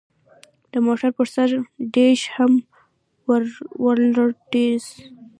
د موټر پر سر ډیش هم ولړزید